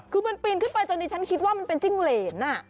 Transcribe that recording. คือมันปีนขึ้นไปจนดิฉันคิดว่ามันเป็นจิ้งเหรน